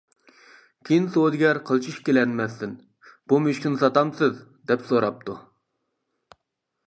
كىيىن سودىگەر قىلچە ئىككىلەنمەستىن:-بۇ مۈشۈكنى ساتامسىز؟ دەپ سوراپتۇ.